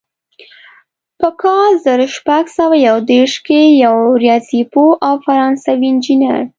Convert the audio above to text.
په کال زر شپږ سوه یو دېرش کې یو ریاضي پوه او فرانسوي انجینر.